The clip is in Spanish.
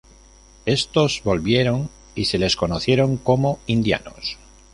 Éstos volvieron y se les conocieron como "indianos".